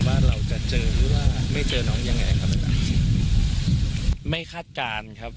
ว่าเราจะเจอหรือว่าไม่เจอน้องยังไงครับอาจารย์ไม่คาดการณ์ครับ